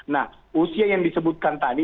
nah usia yang disebutkan tadi